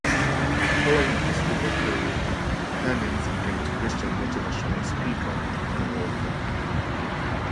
Following his football career, Hennings became a Christian motivational speaker and author.